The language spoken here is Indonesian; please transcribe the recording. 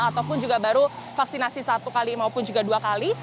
ataupun juga baru vaksinasi satu kali maupun juga dua kali